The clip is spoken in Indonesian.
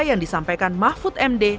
yang disampaikan mahfud md